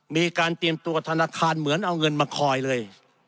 มีการเตรียมตัวธนาคารเหมือนเอาเงินมาคอยเลย